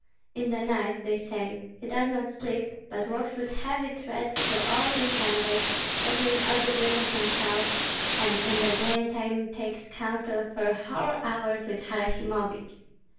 In the night, they say, he does not sleep, but walks with heavy tread through all the chambers, talking audibly to himself, and in the daytime takes counsel for whole hours with Harasimovich."